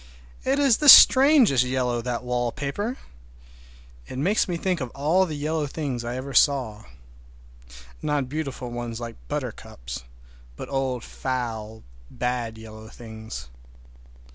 It is the strangest yellow, that wallpaper! It makes me think of all the yellow things I ever saw—not beautiful ones like buttercups, but old foul, bad yellow things.